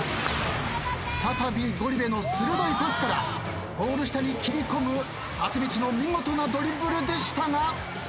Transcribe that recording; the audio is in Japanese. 再びゴリ部の鋭いパスからゴール下に切り込む松道の見事なドリブルでしたが。